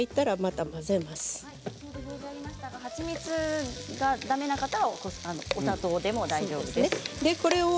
蜂蜜がだめな方はお砂糖でも大丈夫です。